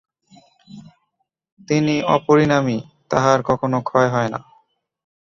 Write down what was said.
তিনি অপরিণামী, তাঁহার কখনও ক্ষয় হয় না।